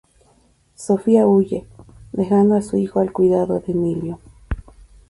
Sofía huye, dejando a su hijo al cuidado de Emilio.